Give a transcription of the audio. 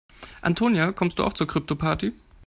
Antonia, kommst du auch zur Kryptoparty?